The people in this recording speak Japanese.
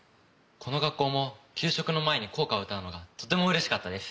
この学校も給食の前に校歌を歌うのがとても嬉しかったです。